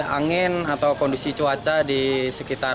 angin atau kondisi cuaca di sekitar